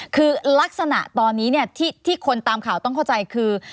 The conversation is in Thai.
คือลักษณะตอนนี้ที่คนตามข่าวต้องเข้าใจคือ